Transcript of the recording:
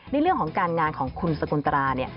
ในเรื่องของการงานของคุณสกลตราเนี่ย